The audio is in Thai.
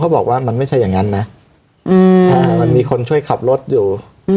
บอกว่ามันไม่ใช่อย่างนั้นนะมันมีคนช่วยขับรถอยู่